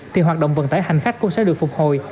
thì hoạt động vận tải hành khách cũng sẽ được phục hồi